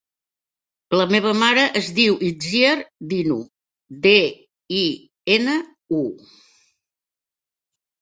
La meva mare es diu Itziar Dinu: de, i, ena, u.